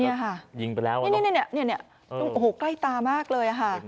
เนี่ยค่ะนี่นี้โอ้โหใกล้ตามากเลยอ่ะค่ะ